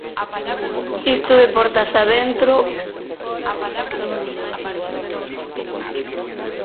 Isto de portas a dentro, fóra proxectaba unha imaxe ben distinta.